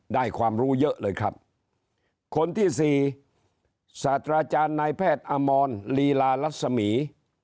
ความรู้เยอะเลยครับคนที่สี่ศาสตราจารย์นายแพทย์อมรลีลารัศมี